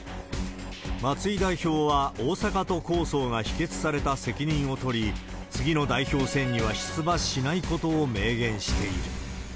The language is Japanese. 松井代表は大阪都構想が否決された責任を取り、次の代表選には出馬しないことを明言している。